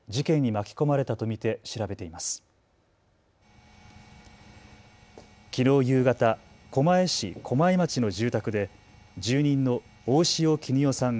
きのう夕方、狛江市駒井町の住宅で住人の大塩衣與さんが